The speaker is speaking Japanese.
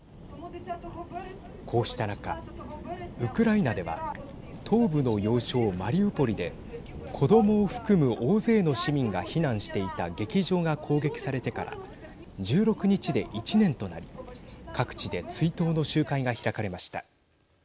こうした中、ウクライナでは東部の要衝マリウポリで子どもを含む大勢の市民が避難していた劇場が攻撃されてから１６日で１年となり各地で追悼の集会が開かれました。